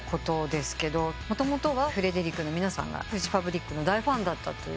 もともとはフレデリックの皆さんはフジファブリックの大ファンだったと。